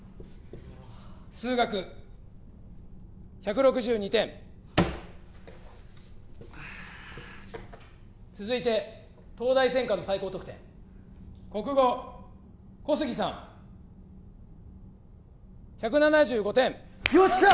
数学１６２点続いて東大専科の最高得点国語小杉さん１７５点よっしゃ！